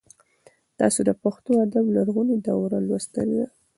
تاسو د پښتو ادب لرغونې دوره لوستلې ده؟